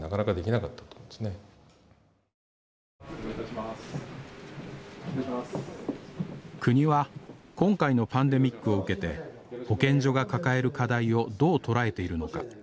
まああの国は今回のパンデミックを受けて保健所が抱える課題をどう捉えているのか。